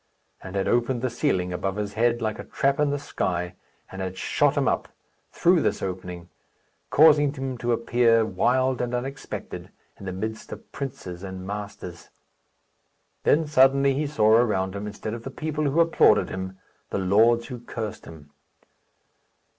and had opened the ceiling above his head, like a trap in the sky, and had shot him up, through this opening, causing him to appear, wild, and unexpected, in the midst of princes and masters. Then suddenly he saw around him, instead of the people who applauded him, the lords who cursed him.